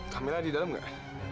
kamila ada di dalam nggak